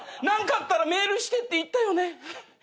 何かあったらメールしてって言ったよね。